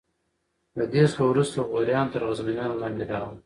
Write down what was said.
له دې څخه وروسته غوریان تر غزنویانو لاندې راغلل.